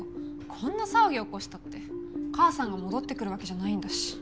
こんな騒ぎ起こしたって母さんが戻って来るわけじゃないんだし。